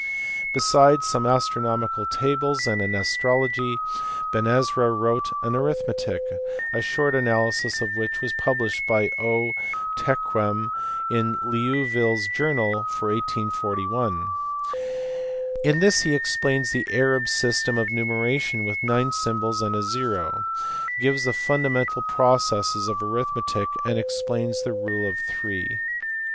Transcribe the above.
Besides some astronomical tables and an astro logy, Ben Ezra wrote an arithmetic, a short analysis of which was published by O. Terquein in Liouville s Journal for 1841. In this he explains the Arab system of numeration with nine symbols and a zero, gives the fundamental processes of arith metic, and explains the rule of three.